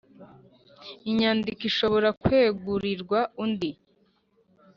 Inyandiko ishobora kwegurirwa undi